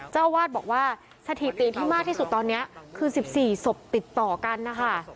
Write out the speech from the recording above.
เจ้าอาวาสบอกว่าสถิติที่มากที่สุดตอนนี้คือ๑๔ศพติดต่อกันนะคะ